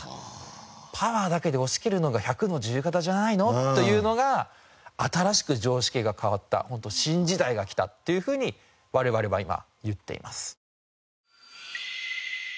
パワーだけで押し切るのが１００の自由形じゃないの？というのが新しく常識が変わったホント新時代が来たというふうに我々は今言っています。